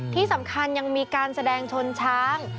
ที่สำคัญยังมีการแสดงชนช้าง